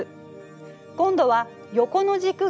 今度は横の軸が時間。